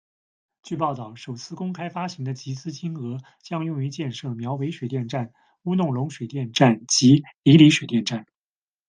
据报导，首次公开发行的集资金额将用于建设苗尾水电站、乌弄龙水电站及里底水电站。